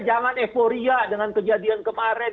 jangan euforia dengan kejadian kemarin